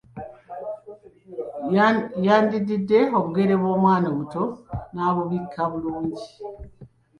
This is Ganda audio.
Yandiddidde obugere bw’omwana omuto n'abubikka bulungi.